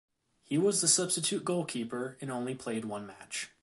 He was the substitute goalkeeper and only played one match.